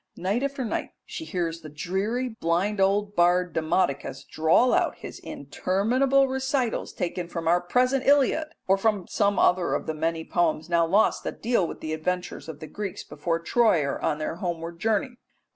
Night after night she hears the dreary blind old bard Demodocus drawl out his interminable recitals taken from our present Iliad, or from some other of the many poems now lost that dealt with the adventures of the Greeks before Troy or on their homeward journey.